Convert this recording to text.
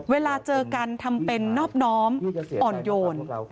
เวลาเจอกันทำเป็นนอบน้อมอ่อนโยน